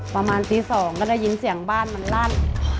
ประมาณตี๒ก็ได้ยินเสียงบ้านมันลั่น